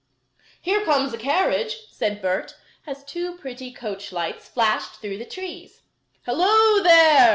"Here comes a carriage," said Bert, as two pretty coach lights flashed through the trees. "Hello there!"